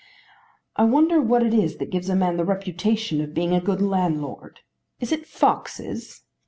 "I wonder what it is that gives a man the reputation of being a good landlord. Is it foxes?"